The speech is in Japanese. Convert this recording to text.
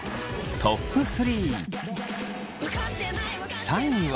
トップ３。